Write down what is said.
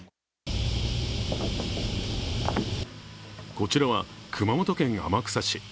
こちらは、熊本県天草市。